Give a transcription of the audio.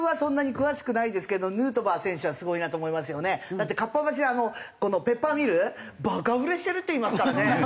だってかっぱ橋でこのペッパーミルバカ売れしてるっていいますからね。